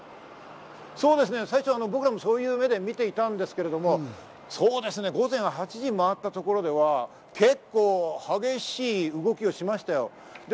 最初、僕らもそういう目で見ていたんですけれども、午前８時を回ったところでは、結構、激しい動きをしましたよ。